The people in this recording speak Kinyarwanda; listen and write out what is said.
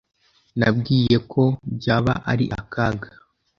Nabwiye ko byaba ari akaga.